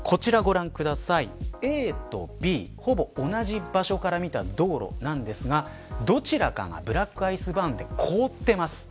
ＡとＢ、ほぼ同じ場所から見た道路ですがどちらかがブラックアイスバーンで凍っています。